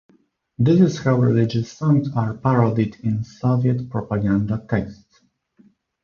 This is how religious songs are parodied in Soviet propaganda texts.